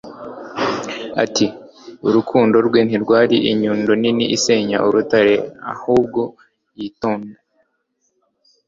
ati urukundo rwe ntirwari inyundo nini isenya urutare, ahubwo yitonda